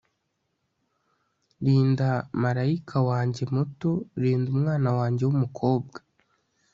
Rinda marayika wanjye muto rinda umwana wanjye wumukobwa